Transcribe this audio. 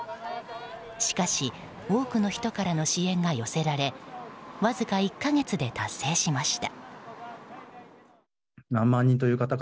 しかし、多くの人からの支援が寄せられわずか１か月で達成しました。